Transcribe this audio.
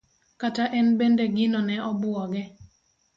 kata en bende gino ne obuoge.